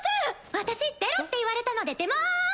私出ろって言われたので出ます。